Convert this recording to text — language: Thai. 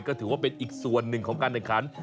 ก็ถือว่าเป็นอีกส่วนหนึ่งของการแข่งขัน